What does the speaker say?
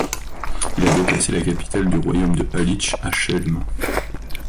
Il a déplacé la capitale du royaume de Halytch à Chełm.